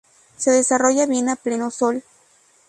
Se desarrolla bien a pleno sol.